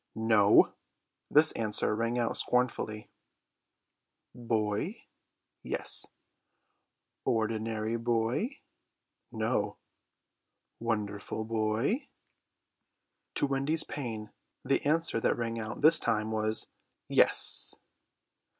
"No!" This answer rang out scornfully. "Boy?" "Yes." "Ordinary boy?" "No!" "Wonderful boy?" To Wendy's pain the answer that rang out this time was "Yes."